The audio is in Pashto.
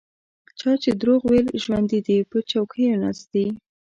چا چې دروغ ویل ژوندي دي په چوکیو ناست دي.